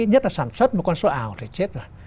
nhất là sản xuất một con số ảo thì chết rồi